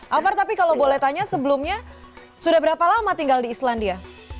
alvar tapi kalau boleh tanya sebelumnya sudah berapa lama tinggal di islandia